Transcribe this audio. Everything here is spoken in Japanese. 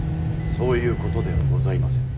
そういうことではございませぬ。